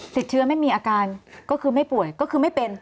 เชื้อไม่มีอาการก็คือไม่ป่วยก็คือไม่เป็น